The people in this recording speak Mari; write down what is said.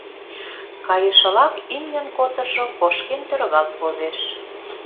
Кайышылак имньын котыржо кошкен тӧргалт возеш.